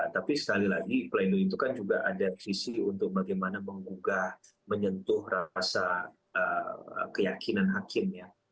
tapi sekali lagi pleno itu kan juga ada visi untuk bagaimana menggugah menyentuh rasa keyakinan hakim ya